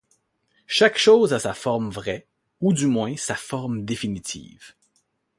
Chaque chose a sa forme vraie, ou du moins sa forme définitive.